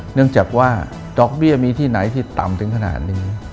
เนื่องจากว่าดอกเบี้ยมีที่ไหนที่ต่ำถึงขนาดนี้